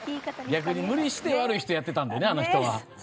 逆に無理して悪い人やってたんでね、あの人は。